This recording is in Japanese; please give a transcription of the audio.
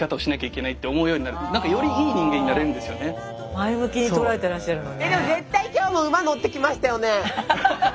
前向きに捉えてらっしゃるのね。